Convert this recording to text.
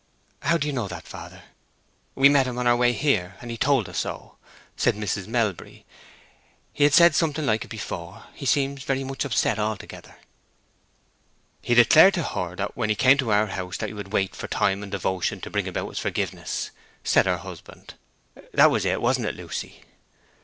"How do you know that, father?" "We met him on our way here, and he told us so," said Mrs. Melbury. "He had said something like it before. He seems very much upset altogether." "He declared to her when he came to our house that he would wait for time and devotion to bring about his forgiveness," said her husband. "That was it, wasn't it, Lucy?"